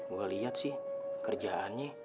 gue liat sih kerjaannya